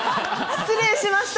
失礼しました。